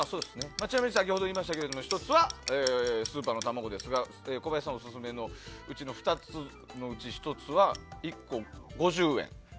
ちなみに先ほど言いましたが１つは、スーパーの卵ですが小林さんオススメの２つのうち１つは１個５０円。